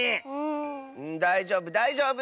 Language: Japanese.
だいじょうぶだいじょうぶ！